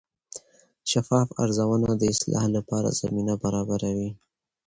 شفاف ارزونه د اصلاح لپاره زمینه برابروي.